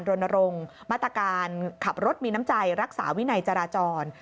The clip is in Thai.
รณรงค์มาตรการขับรถมีน้ำใจรักษาวินัยจราจร